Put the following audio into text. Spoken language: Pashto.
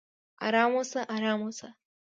"ارام اوسه! ارام اوسه!"